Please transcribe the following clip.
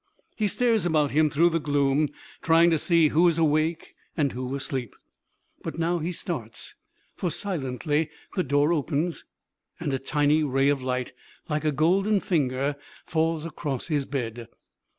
He stares about him through the gloom, trying to see who is awake and who asleep. But now he starts, for silently the door opens, and a tiny ray of light, like a golden finger, falls across his bed.